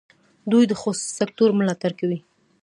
دوی د خصوصي سکټور ملاتړ کوي.